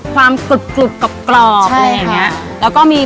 ความกรุบกรอบอะไรอย่างนี้